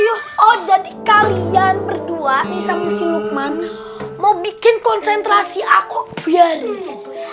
ayo oh jadi kalian berdua nih sama si lukman mau bikin konsentrasi aku biar